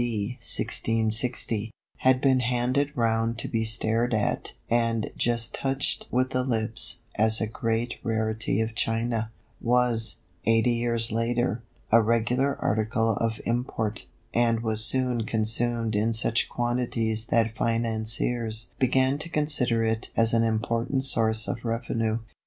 D. 1660), had been handed round to be stared at and just touched with the lips as a great rarity of China, was, eighty years later, a regular article of import, and was soon consumed in such quantities that financiers began to consider it as an important source of revenue."